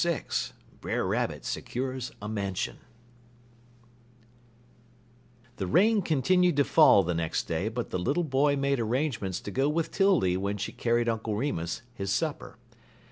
VI BRER RABBIT SECURES A MANSION The rain continued to fall the next day, but the little boy made arrangements to go with 'Tildy when she carried Uncle Remus his supper.